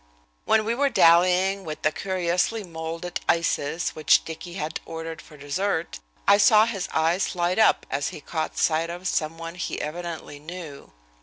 When we were dallying with the curiously moulded ices which Dicky had ordered for dessert, I saw his eyes light up as he caught sight of some one he evidently knew.